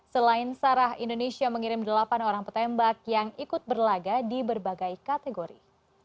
selain sarah indonesia mengirim delapan orang petembak yang ikut berlaga di berbagai kategori